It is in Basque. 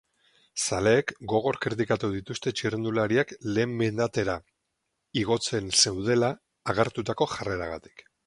Zaleek gogor kritikatu dituzte txirrindulariak lehen mendatera igotzen zeudela agertutako jarreragatik.